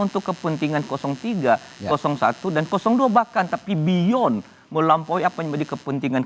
untuk kepentingan tiga satu dan dua bahkan tapi beyond melampaui apa yang menjadi kepentingan